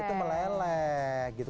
kejunya tuh meleleh gitu